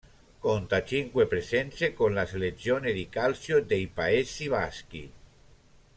Conta cinque presenze con la Selezione di calcio dei Paesi Baschi.